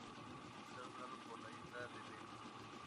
Está nombrado por la isla de Ven.